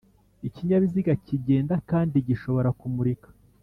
ikinyabiziga kigenda kandi gishobora kumurika